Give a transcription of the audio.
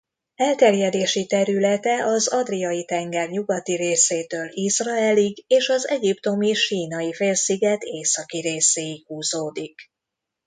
Elterjedési területe az Adriai-tenger nyugati részétől Izrael-ig és az egyiptomi Sínai-félsziget északi részéig húzódik.